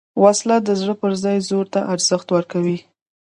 وسله د زړه پر ځای زور ته ارزښت ورکوي